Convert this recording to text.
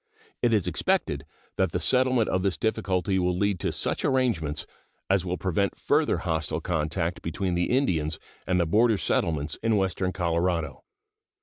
It is expected that the settlement of this difficulty will lead to such arrangements as will prevent further hostile contact between the Indians and the border settlements in western Colorado.